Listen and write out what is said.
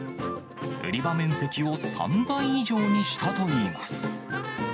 売り場面積を３倍以上にしたといいます。